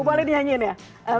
boleh dinyanyiin ya